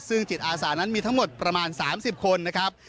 ซึ่งจิตอาสานั้นมีทั้งหมดประมาณ๓๐คนนะครับ